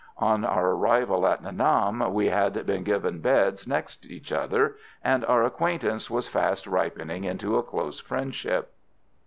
On our arrival at Nha Nam we had been given beds next each other, and our acquaintance was fast ripening into a close friendship.